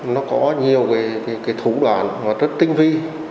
nó có nhiều thủ đoạn rất tinh vi